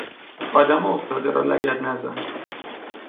آدم افتاده را لگد نزن!